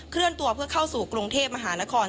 เลื่อนตัวเพื่อเข้าสู่กรุงเทพมหานคร